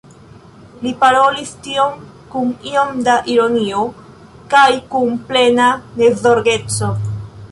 Li parolis tion kun iom da ironio kaj kun plena nezorgeco.